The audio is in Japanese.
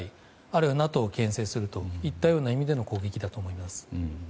あるいはＮＡＴＯを牽制するといった意味での攻撃だと思います。